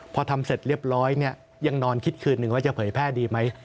พอทำเสร็จเรียบร้อยเนี่ยยังนอนคิดคืนหนึ่งว่าจะเผยแพร่ดีไหม